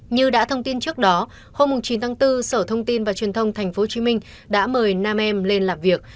như đã thông tin trước đó hôm chín tháng bốn sở thông tin và truyền thông tp hcm đã mời nam em lên làm việc